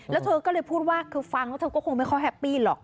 แล้วเธอก็เลยพูดว่าคือฟังแล้วเธอก็คงไม่ค่อยแฮปปี้หรอก